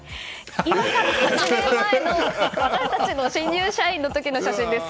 今から８年前の私たちの新入社員の時の写真です。